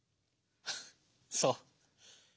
そう。